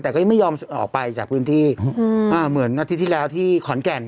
แต่ก็ยังไม่ยอมออกไปจากพื้นที่อืมอ่าเหมือนอาทิตย์ที่แล้วที่ขอนแก่น